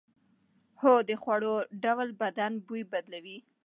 هو، د خوړو ډول بدن بوی بدلوي.